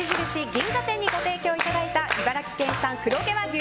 銀座店にご提供いただいた茨城県産黒毛和牛